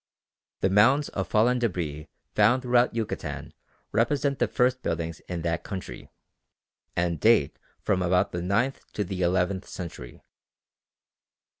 The mounds of fallen débris found throughout Yucatan represent the first buildings in that country, and date from about the ninth to the eleventh century.